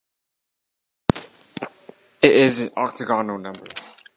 It is an octagonal number.